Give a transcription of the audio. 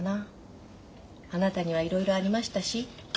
あなたにはいろいろありましたし。